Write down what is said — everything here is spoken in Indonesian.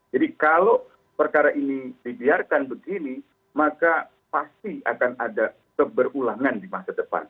kalau perkara ini dibiarkan begini maka pasti akan ada keberulangan di masa depan